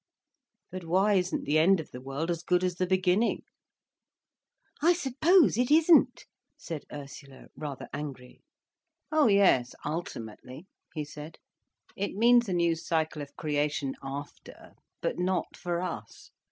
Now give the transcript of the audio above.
But why isn't the end of the world as good as the beginning?" "I suppose it isn't," said Ursula, rather angry. "Oh yes, ultimately," he said. "It means a new cycle of creation after—but not for us.